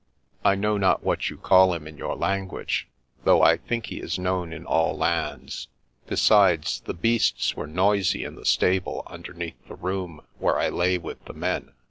I know not what you call him in your language, though I think he is known in all lands. Besides, the beasts were noisy in the stable underneath the room where I lay with the men.